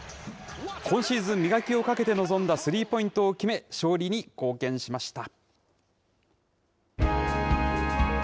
今シーズン、磨きをかけて臨んだスリーポイントを決め、勝利に貢献しました。